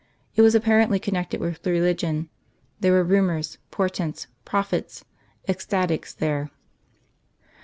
It was apparently connected with religion; there were rumours, portents, prophets, ecstatics there.